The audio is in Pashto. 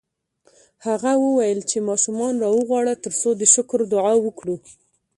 هغه وویل چې ماشومان راوغواړه ترڅو د شکر دعا وکړو